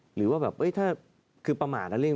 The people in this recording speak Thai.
หรือว่าแบบถ้าคือประมาณ